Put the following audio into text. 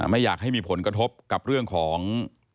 ไม่อยากให้มีผลกระทบกับเรื่องของ